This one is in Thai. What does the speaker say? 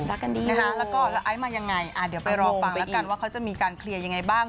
แล้วไอซ์มายังไงเดี๋ยวไปรอฟังแล้วกันว่าเค้าจะมีการเคลียร์ยังไงบ้าง